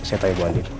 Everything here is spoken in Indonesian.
saya tanya ibu andin